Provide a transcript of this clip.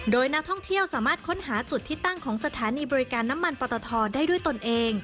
โดยนักท่องเที่ยวสามารถค้นหาจุดที่ตั้งของสถานีบริการน้ำมันปตทได้ด้วยตนเอง